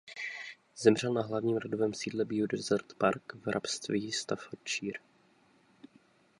Zemřel na hlavním rodovém sídle "Beaudesert Park" v hrabství Staffordshire.